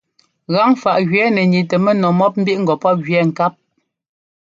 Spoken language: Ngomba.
Gaŋfaꞌ gẅɛɛ nɛ niitɛ mɛnu mɔ́p mbiꞌŋgɔ pɔ́p gẅɛɛ ŋkáp.